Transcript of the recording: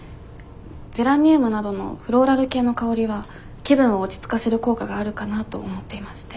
ゼラニウムなどのフローラル系の香りは気分を落ち着かせる効果があるかなと思っていまして。